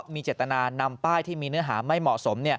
มีเจตนานำป้ายที่มีเนื้อหาไม่เหมาะสม